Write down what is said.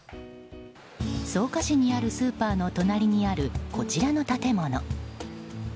草加市にあるスーパーの隣にあるこちらの建物。